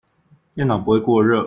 電腦不會過熱